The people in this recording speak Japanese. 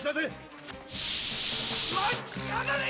待ちやがれ！